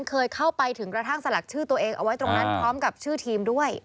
เคยเข้าไปถึงกระทั่งสลักชื่อตัวเองเอาไว้ตรงนั้นพร้อมกับชื่อทีมด้วย